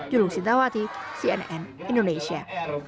julu sintawati cnn indonesia